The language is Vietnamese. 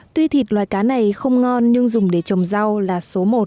tuy thịt loài cá này không ngon nhưng dùng để trồng rau là số một